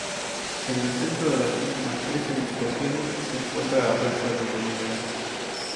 En el centro de las últimas tres edificaciones se encuentra la Plaza de Bolívar.